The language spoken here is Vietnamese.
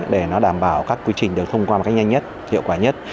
để nó đảm bảo các quy trình được thông qua một cách nhanh nhất hiệu quả nhất